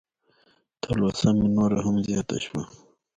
تلوسه مې نوره هم زیاته شوه.